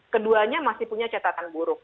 keduanya masih punya catatan buruk